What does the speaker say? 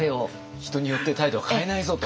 人によって態度を変えないぞと。